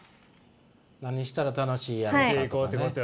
何したら楽しいやろかとかね。